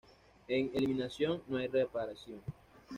En "eliminación", no hay reaparición.